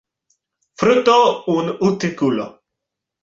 Fruto un utrículo.